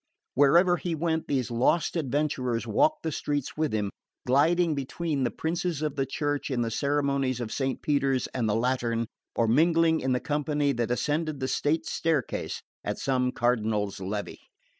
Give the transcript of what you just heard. Wherever he went these "lost adventurers" walked the streets with him, gliding between the Princes of the Church in the ceremonies of Saint Peter's and the Lateran, or mingling in the company that ascended the state staircase at some cardinal's levee.